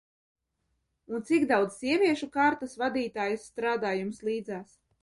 Un cik daudz sieviešu kārtas vadītājas strādā jums līdzās?